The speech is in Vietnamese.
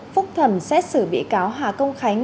phúc thẩm xét xử bị cáo hà công khánh